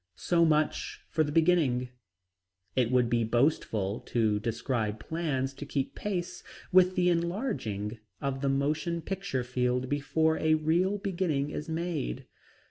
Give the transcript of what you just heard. So much for the beginning. It would be boastful to describe plans to keep pace with the enlarging of the motion picture field before a real beginning is made.